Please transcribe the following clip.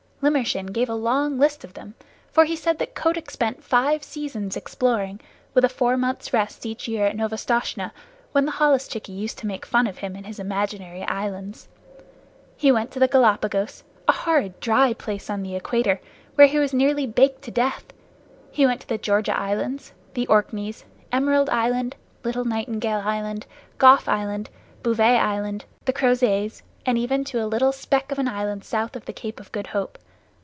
Limmershin gave a long list of them, for he said that Kotick spent five seasons exploring, with a four months' rest each year at Novastoshnah, when the holluschickie used to make fun of him and his imaginary islands. He went to the Gallapagos, a horrid dry place on the Equator, where he was nearly baked to death; he went to the Georgia Islands, the Orkneys, Emerald Island, Little Nightingale Island, Gough's Island, Bouvet's Island, the Crossets, and even to a little speck of an island south of the Cape of Good Hope.